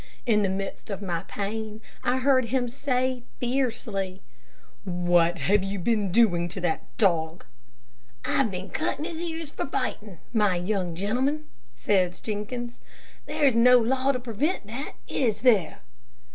In the midst of my pain, I heard him in say fiercely "What have you been doing to that dog?" "I've been cuttin' his ears for fightin', my young gentleman," said Jenkins. "There is no law to prevent that, is there?"